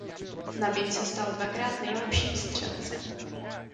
Navíc se stal dvakrát nejlepším střelcem.